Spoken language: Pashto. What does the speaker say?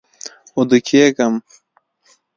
اوده کیږم